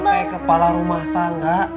akang teh kepala rumah tangga